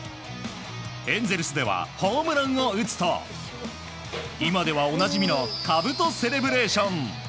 エンゼルスではホームランを打つと今ではおなじみのかぶとセレブレーション。